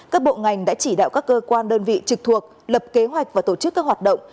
các bộ ngành đã chỉ đạo các cơ quan đơn vị trực thuộc lập kế hoạch và tổ chức các hoạt động